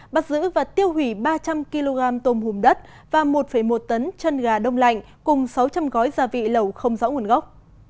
bắt giữ và tiêu hủy ba trăm linh kg tôm hùm đất và một một tấn chân gà đông lạnh cùng sáu trăm linh gói gia vị lẩu không rõ nguồn gốc